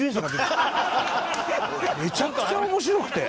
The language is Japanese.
めちゃくちゃ面白くて。